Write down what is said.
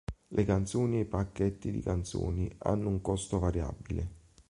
Le canzoni e i pacchetti di canzoni hanno un costo variabile.